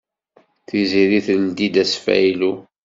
Tiziri teldi-d asfaylu.